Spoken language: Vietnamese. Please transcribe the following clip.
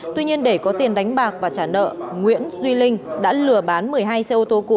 tuy nhiên để có tiền đánh bạc và trả nợ nguyễn duy linh đã lừa bán một mươi hai xe ô tô cũ